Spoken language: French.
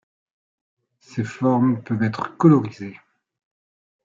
Ces formes peuvent être colorisées.